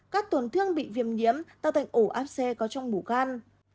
các tổn thương bị viêm nhiễm tạo thành ổ áp xe có trong mũ gan